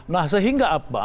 nah sehingga apa